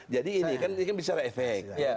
jadi ini kan bisa efek